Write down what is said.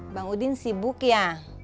bang udin sibuk ya